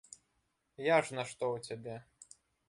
Я ж нашто ў цябе?